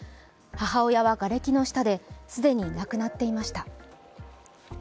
母親は、がれきの下で既に亡くなっていました。